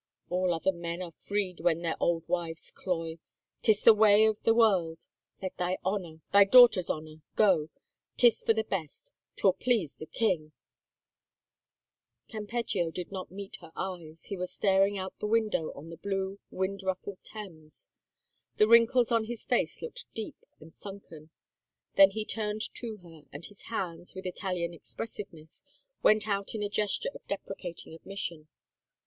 All other men are freed when their old wives cloy. 'Tis the way of the world. Let thy honor, thy daughter's honor, go — 'tis for the best — 'twill please the king 1 '" Campeggio did not meet her eyes, he was staring out the window on the blue, wind ruffled Thames: the wrinkles on his face looked deep and sunken. Then he turned to her and his hands, with Italian expressiveness, went out in a gesture of deprecating admission.